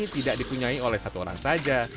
tidak dipunyai oleh satu orang saja